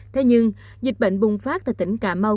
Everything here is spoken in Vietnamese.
thế nhưng dịch bệnh bùng phát tại tỉnh cà mau